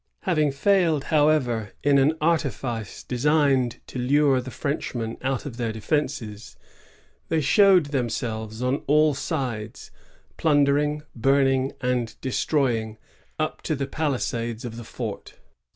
Having failed, however, in an artifice designed to lure the French out of their defences, they showed themselves on all sides, plundering, burning, and destroying, up to the palisades of the fort.'